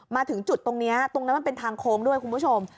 มาถึงจุดตรงนี้ตรงนั้นมันเป็นทางโค้งด้วยคุณผู้ชม